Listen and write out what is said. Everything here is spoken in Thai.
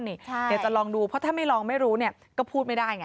เดี๋ยวจะลองดูเพราะถ้าไม่ลองไม่รู้ก็พูดไม่ได้ไง